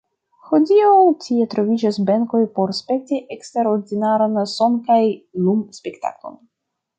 Hodiaŭ tie troviĝas benkoj por spekti eksterordinaran son- kaj lum-spektaklon.